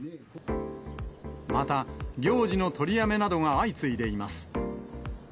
また、行事の取りやめなどが相次いでいます。